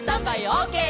オーケー！」